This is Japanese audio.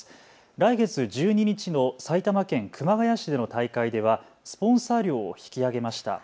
来月１２日の埼玉県熊谷市での大会ではスポンサー料を引き上げました。